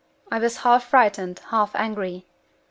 I was half frightened, half angry.